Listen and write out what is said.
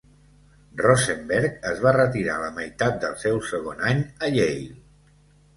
Rosenberg es va retirar a la meitat del seu segon any a Yale.